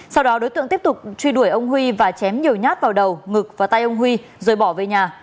sau đó đối tượng tiếp tục truy đuổi ông huy và chém nhiều nhát vào đầu ngực và tay ông huy rồi bỏ về nhà